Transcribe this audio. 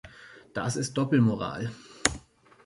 Das ist Doppelmoral!